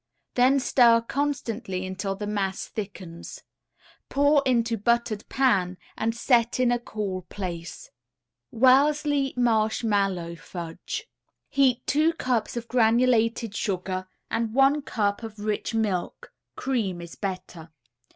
Then stir constantly until the mass thickens. Pour into buttered pan and set in a cool place. WELLESLEY MARSHMALLOW FUDGE [Illustration: WELLESLEY MARSHMALLOW FUDGE.] Heat two cups of granulated sugar and one cup of rich milk (cream is better).